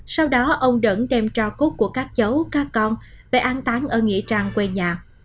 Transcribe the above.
sau đó ông đẩn đem trao cốt của các cháu các con về an tán ở nghị trang quê nhà